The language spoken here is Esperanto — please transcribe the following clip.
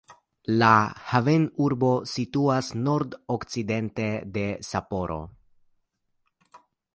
La havenurbo situas nordokcidente de Sapporo.